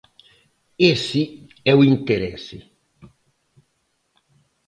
Ese é o interese.